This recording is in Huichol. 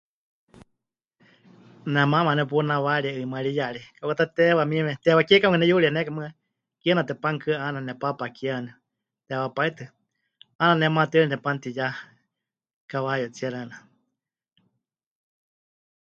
Nemaama waníu punawarie 'ɨimariyari kauka ta teewa mieme, teewa kiekame neyurienékai mɨɨkɨ, kiena tepanukɨ 'aana nepaapa kie waaníu, teewa pai tɨ, 'aana ne maatɨari nepanutiya kawayatsie xeeníu.